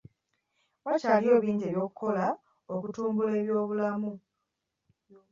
Wakyaliyo bingi eby'okukola okutumbula ebyobulamu.